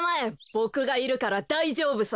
ボクがいるからだいじょうぶさ。